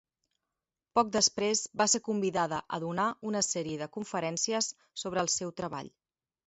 Poc després, va ser convidada a donar una sèrie de conferències sobre el seu treball.